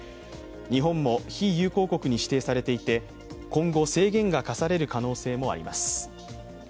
日本も非友好国に指定されていて、今後、制限が課される可能性もあります。